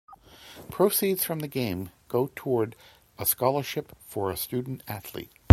Proceeds from the game go toward a scholarship for a student athlete.